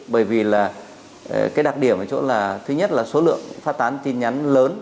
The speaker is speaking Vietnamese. bởi vì là cái đặc điểm ở chỗ là thứ nhất là số lượng phát tán tin nhắn lớn